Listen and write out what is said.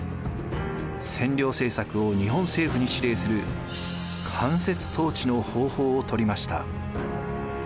占領政策を日本政府に指令する間接統治の方法を取りました。